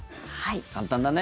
簡単だね。